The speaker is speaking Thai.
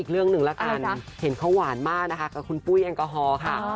เริ่มกลัวมานะคะกับคุณปุ้ยแอลก้าฮค่ะ